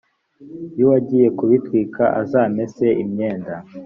y uwagiye kubitwika azamese imyenda